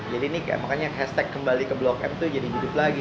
jadi ini makanya hashtag kembali ke blok m itu jadi hidup lagi